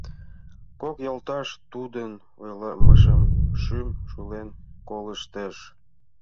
Кок йолташ тудын ойлымыжым шӱм шулен колыштеш.